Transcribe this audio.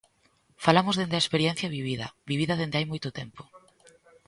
Falamos dende a experiencia vivida, vivida dende hai moito tempo.